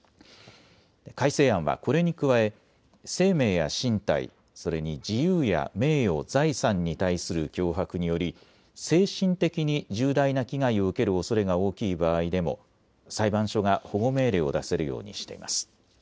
改正案はこれに加え生命や身体、それに自由や名誉、財産に対する脅迫により精神的に重大な危害を受けるおそれが大きい場合でも裁判所が保護命令を出せるようにしています。